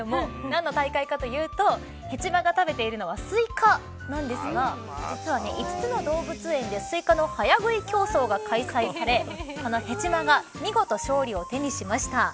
何の大会かというとヘチマが食べているのはスイカなんですが実は５つの動物園でスイカの早食い競争が開催されこのヘチマが見事勝利を手にしました。